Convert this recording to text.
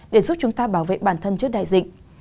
để giúp chúng ta bảo vệ bản thân trước đại dịch